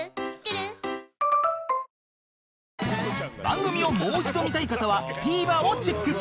番組をもう一度見たい方は ＴＶｅｒ をチェック